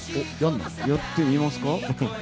やってみますか？